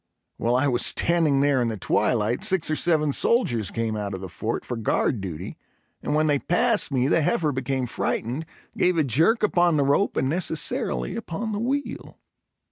While I was standing there in the twilight, six or seven soldiers came out of the fort for guard duty and when they passed me the heifer became frightened, gave a jerk upon the rope and necessarily upon the wheel.